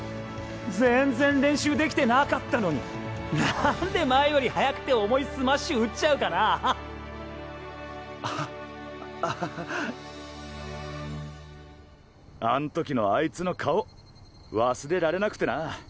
全然練習できてなかったのになんで前より速くて重いスマッシュ打っちゃうかなアハアハハあん時のあいつの顔忘れられなくてな。